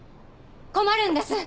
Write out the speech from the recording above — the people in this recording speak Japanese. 困るんです！